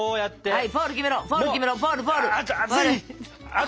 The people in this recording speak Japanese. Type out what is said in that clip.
はい。